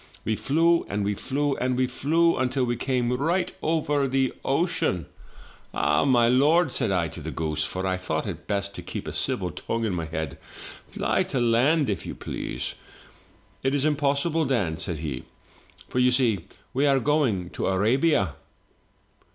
"We flew, and we flew, and we flew, until we came right over the ocean. *Ah, my lord,' said I to the goose, for I thought it best to keep a civil tongue in my head, 'fly to land, if you please.' 'It is impossible, Dan,' said he, *for you see, we are going to Arabia!'